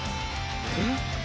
えっ？